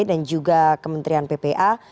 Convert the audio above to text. dan juga kementerian ppa